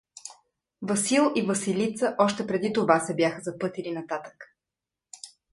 Васил и Василица още преди това се бяха запътили нататък.